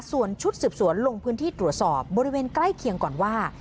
ส่วนชุดสืบสวนลงพื้นที่ตรวจสอบบริเวณใกล้เคียงก่อนว่า